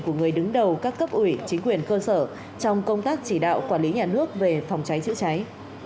của người đứng đầu các cấp ủy chính quyền cơ sở trong công tác chỉ đạo quản lý nhà nước về phòng cháy chữa cháy